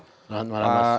selamat malam mas